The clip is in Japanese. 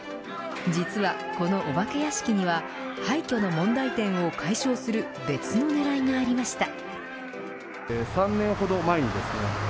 実はこのお化け屋敷には廃虚の問題点を解消する別の狙いがありました。